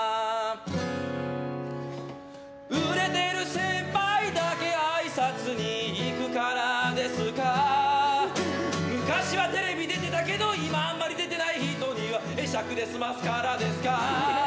売れてる先輩だけあいさつに行くからですか昔はテレビ出てたけど今あんまり出てない人には会釈で済ますからですか。